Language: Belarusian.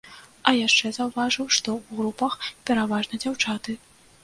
А яшчэ заўважыў, што ў групах пераважна дзяўчаты.